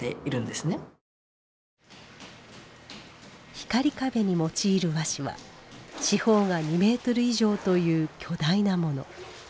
光壁に用いる和紙は四方が２メートル以上という巨大なもの。